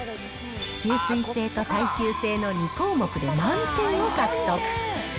吸水性と耐久性の２項目で満点を獲得。